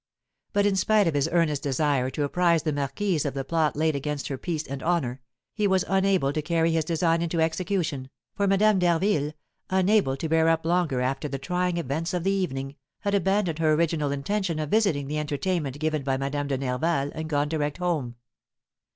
But, spite of his earnest desire to apprise the marquise of the plot laid against her peace and honour, he was unable to carry his design into execution, for Madame d'Harville, unable to bear up longer after the trying events of the evening, had abandoned her original intention of visiting the entertainment given by Madame de Nerval and gone direct home.